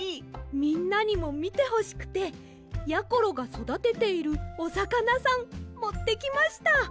みんなにもみてほしくてやころがそだてているおさかなさんもってきました。